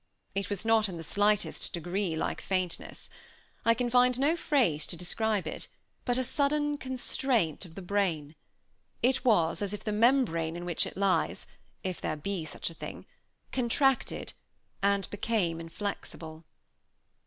It was not in the slightest degree like faintness. I can find no phrase to describe it, but a sudden constraint of the brain; it was as if the membrane in which it lies, if there be such a thing, contracted, and became inflexible.